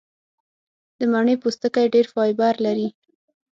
د مڼې پوستکی ډېر فایبر لري.